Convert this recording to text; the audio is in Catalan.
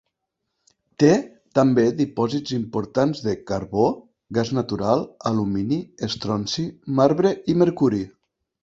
Té també dipòsits importants de carbó, gas natural, alumini, estronci, marbre i mercuri.